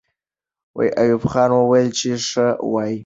ایوب خان وویل چې ښه وایئ.